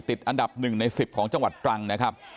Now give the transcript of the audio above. ติดอันดับหนึ่งในสิบของจังหวัดตรังนะครับ